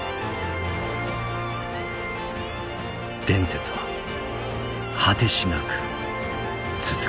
伝説は果てしなく続く。